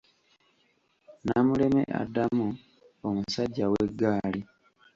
Namuleme addamu, omusajja w'eggaali